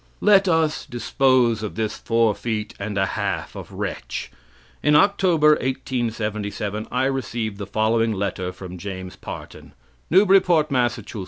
Let us dispose of this four feet and a half of wretch. In October, 1877, I received the following letter from James Parton: "Newburyport, Mass.